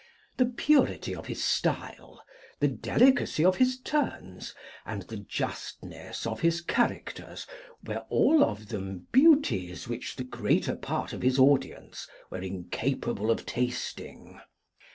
The purity of his style, the delicacy of his turns, and the justness of his characters, were all of them beauties which the greater part of his audience were incapable of tasting.